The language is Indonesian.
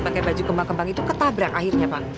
pakai baju kembang kembang itu ketabrak akhirnya pak